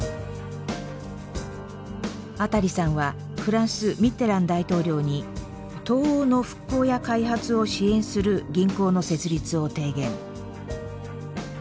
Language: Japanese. アタリさんはフランスミッテラン大統領に東欧の復興や開発を支援する銀行の設立を提言。